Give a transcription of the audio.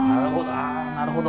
あなるほど！